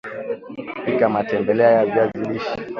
Pika matembele ya viazi lishe